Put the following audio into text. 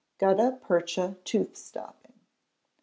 Gutta Percha Tooth Stopping.